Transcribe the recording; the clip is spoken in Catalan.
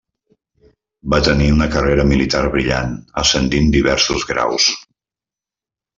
Va tenir una carrera militar brillant ascendint diversos graus.